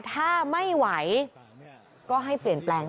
ถ้าไม่ไหวก็ให้เปลี่ยนแปลง